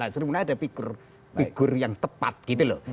sri mulyani ada figur yang tepat gitu loh